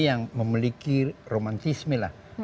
yang memiliki romantisme